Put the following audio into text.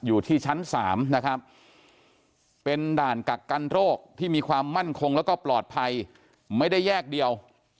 จะอยู่อีกชั้นหนึ่งนะอยู่ที่ชั้น๓นะครับเป็นด่านกักกันโรคที่มีความมั่นคงแล้วก็ปลอดภัยไม่ได้แยกเดียว